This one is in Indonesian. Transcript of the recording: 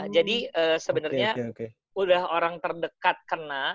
jadi sebenarnya udah orang terdekat kena